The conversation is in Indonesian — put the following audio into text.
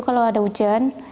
kalau ada hujan